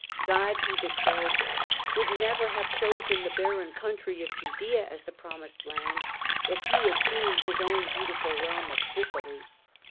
God, he declared, would never have chosen the barren country of Judaea as the Promised Land if He had seen his own beautiful realm of Sicily.